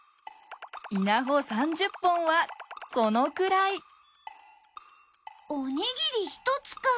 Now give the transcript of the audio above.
稲穂３０本はこのくらいおにぎり１つか。